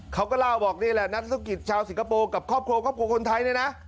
เขาก็เล่าบอกนี่แหละนักธุรกิจชาวสิงคโปร์กับครอบครัวครอบครัวคนไทยเนี่ยนะ